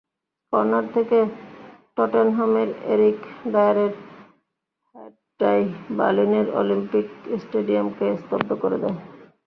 Corner থেকে টটেনহামের Eric ডায়ারের হেডটাই বার্লিনের অলিম্পিক স্টেডিয়ামকে স্তব্ধ করে দেয়।